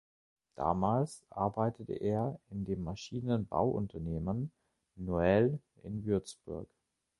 Damals arbeitete er in dem Maschinenbauunternehmen Noell in Würzburg.